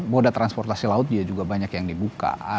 moda transportasi laut juga banyak yang dibuka